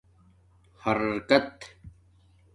حرکت